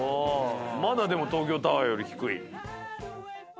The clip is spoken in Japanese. まだでも東京タワーより低い。